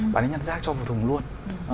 bạn ấy nhặt rác cho vô thùng luôn